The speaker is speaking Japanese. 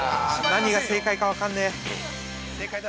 ◆何が正解か分かんねえ。